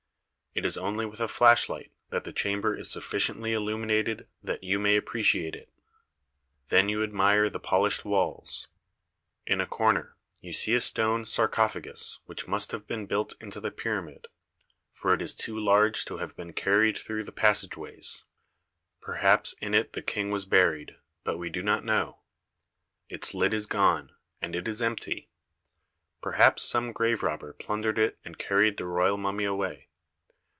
It is only with a flashlight that the chamber is sufficiently illuminated that you may appreciate it. Then you admire the polished walls. In a corner you see a stone sarcophagus which must have been built into the pyramid, for it is too large to have been carried through the passage ways. Perhaps in it the King was buried, but we do not know. Its lid is gone, and it is empty. Perhaps some grave robber plundered it and car ried the royal mummy away.